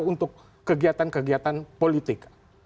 untuk kegiatan kegiatan politik